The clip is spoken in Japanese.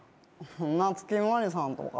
夏木マリさんとか。